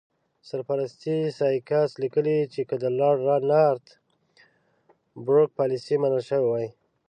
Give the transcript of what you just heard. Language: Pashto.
سر پرسي سایکس لیکي چې که د لارډ نارت بروک پالیسي منل شوې وای.